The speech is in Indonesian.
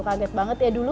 kaget banget ya dulu